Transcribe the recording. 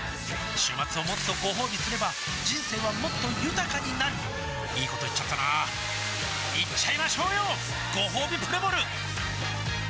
週末をもっとごほうびすれば人生はもっと豊かになるいいこと言っちゃったなーいっちゃいましょうよごほうびプレモル